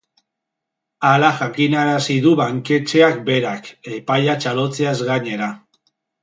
Hala jakinarazi du banketxeak berak, epaia txalotzeaz gainera.